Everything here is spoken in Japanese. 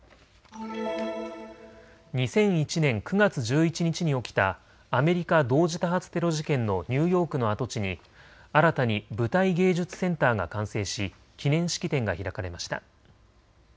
２００１年９月１１日に起きたアメリカ同時多発テロ事件のニューヨークの跡地に新たに舞台芸術センターが完成し記念式典が開かれました。